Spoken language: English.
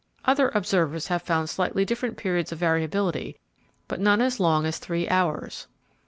Other observers have found slightly different periods of variability, but none as long as three hours.